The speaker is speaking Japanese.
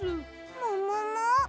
ももも？